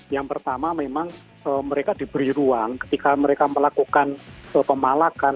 yang pertama memang mereka diberi ruang ketika mereka melakukan pemalakan